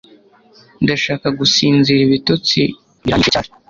Ndashaka gusinzira ibitotsi biranyishye cyane